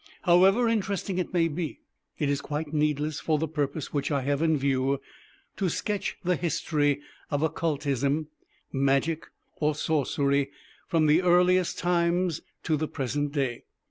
However interesting it may be, it is quite needless for the purpose which I have in view to sketch the history of occultism, magic or sorcery from the earliest times to the present day.